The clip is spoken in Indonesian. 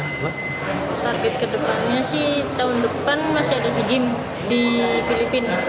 target kedepannya sih tahun depan masih ada sea games di filipina